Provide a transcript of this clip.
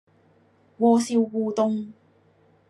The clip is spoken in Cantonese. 鍋燒烏冬